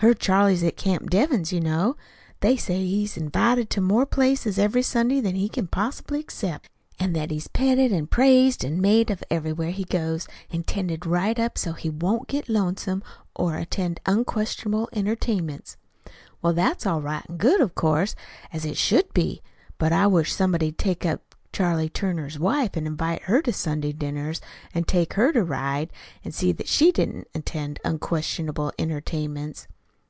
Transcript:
Her Charlie's at Camp Devens, you know. They say he's invited to more places every Sunday than he can possibly accept; an' that he's petted an' praised an' made of everywhere he goes, an' tended right up to so's he won't get lonesome, or attend unquestionable entertainments. Well, that's all right an' good, of course, an' as it should be. But I wish somebody'd take up Charlie Turner's wife an' invite her to Sunday dinners an' take her to ride, an' see that she didn't attend unquestionable entertainments."